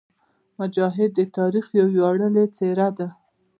مجاهد د تاریخ یوه ویاړلې څېره ده.